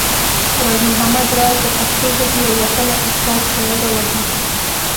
راز محمد راز د پښتو ژبې يو وتلی استاد، شاعر او اديب وو